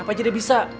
apa aja dia bisa